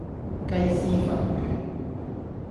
雞絲粉卷